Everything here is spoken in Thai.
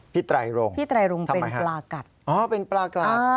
พี่ไตรงทำไมคะเป็นปลากัดอ๋อเป็นปลากัด